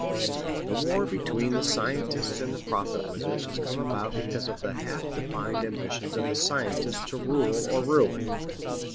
The war between the scientists and the prophet wizards has come about because of the half defined ambition of the scientists to rule or ruin.